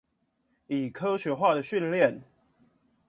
以科學化的訓練